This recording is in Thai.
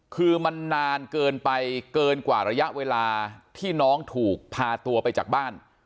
คือมันนานเกินไปเกินกว่าระยะเวลาที่น้องถูกพาตัวไปจากบ้าน